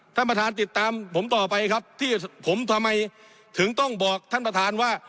ท่านประธานติดตามผมต่อไปครับที่ผมทำไมถึงต้องบอกท่านประธานว่า